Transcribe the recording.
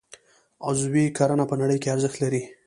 عضوي کرنه په نړۍ کې ارزښت لري